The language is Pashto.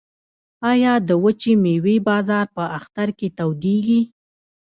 آیا د وچې میوې بازار په اختر کې تودیږي؟